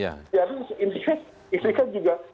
ya ini kan juga